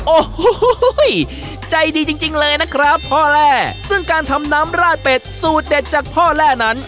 โอ้โหใจดีจริงจริงเลยนะครับพ่อแร่ซึ่งการทำน้ำราดเป็ดสูตรเด็ดจากพ่อแร่นั้น